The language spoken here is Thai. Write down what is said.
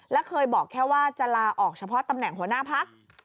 และเคยบอกแค่ว่าจะลาออกเฉพาะตำแหน่งหัวหน้าพัก